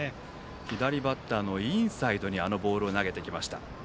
左バッターのインサイドにあのボールを投げてきました。